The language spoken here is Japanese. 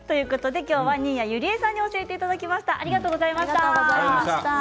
今日は新谷友里江さんに教えていただきました。